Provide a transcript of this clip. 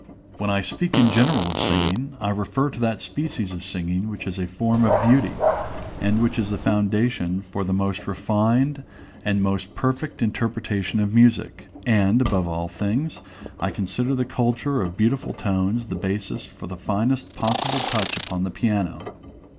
When I speak in general of singing, I refer to that species of singing which is a form of beauty, and which is the foundation for the most refined and most perfect interpretation of music; and, above all things, I consider the culture of beautiful tones the basis for the finest possible touch upon the piano.